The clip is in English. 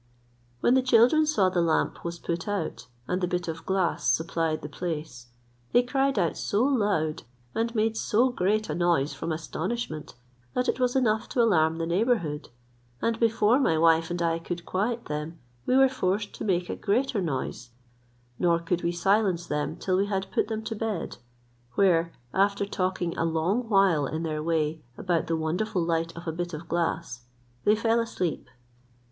When the children saw the lamp was put out, and the bit of glass supplied the place, they cried out so loud, and made so great a noise from astonishment, that it was enough to alarm the neighbourhood; and before my wife and I could quiet them we were forced to make a greater noise, nor could we silence them till we had put them to bed; where after talking a long while in their way about the wonderful light of a bit of glass, they fell asleep.